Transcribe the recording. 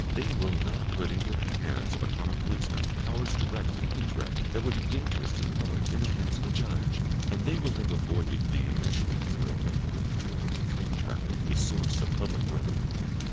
They will not put into the hands of a common policeman powers direct and indirect that would be dangerous to the public in the hands of a judge. And they will have avoided the immeasurable error of making their control of the drink traffic a source of public revenue.